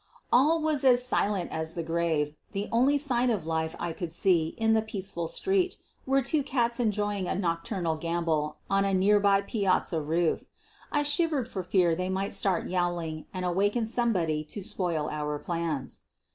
All was as silent as the grave. The only sign of life I could see in the peaceful street were two cats enjoying a nocturnal gambol on a nearby piazza roof. I shivered for fear they might start yowling and awaken somebody to spoil our plans.